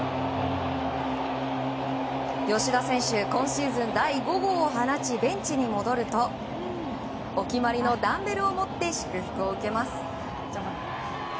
吉田選手、今シーズン第５号を放ちベンチに戻るとお決まりのダンベルを持って祝福を受けます。